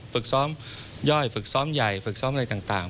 ฝึกซ้อมย่อยฝึกซ้อมใหญ่ฝึกซ้อมอะไรต่าง